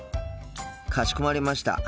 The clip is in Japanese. かしこまりました。